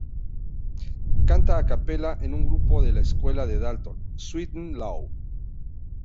Canta a capella en un grupo de la escuela de Dalton, "Sweet n' Low".